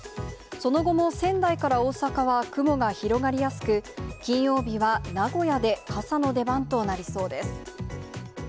その後も仙台から大阪は雲が広がりやすく、金曜日は名古屋で傘の出番となりそうです。